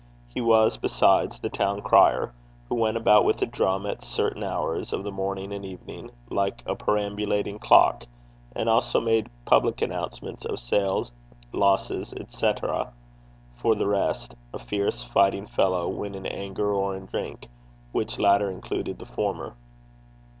He was, besides, the town crier, who went about with a drum at certain hours of the morning and evening, like a perambulating clock, and also made public announcements of sales, losses, &c. for the rest a fierce, fighting fellow when in anger or in drink, which latter included the former.